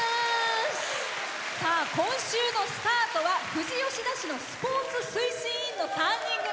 今週のスタートは富士吉田市のスポーツ推進委員の３人組。